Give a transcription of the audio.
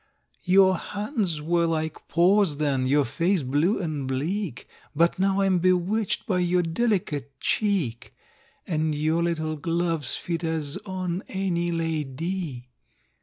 —"Your hands were like paws then, your face blue and bleak, But now I'm bewitched by your delicate cheek, And your little gloves fit as on any la dy!"